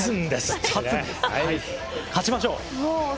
勝ちましょう。